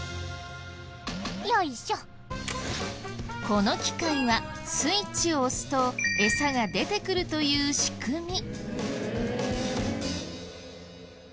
この機械はスイッチを押すとエサが出てくるという仕組み。